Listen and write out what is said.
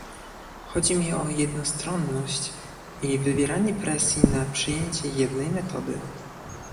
chodzi mi o jednostronność i wywieranie presji na przyjęcie jednej metody